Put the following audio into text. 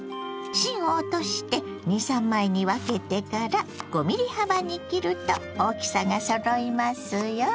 芯を落として２３枚に分けてから５ｍｍ幅に切ると大きさがそろいますよ。